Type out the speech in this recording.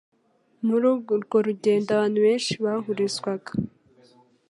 muri urwo rugendo abantu benshi bahuruzwaga